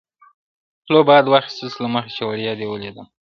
پلو باد واخیست له مخه چي وړیا دي ولیدمه.